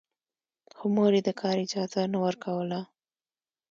خو مور يې د کار اجازه نه ورکوله.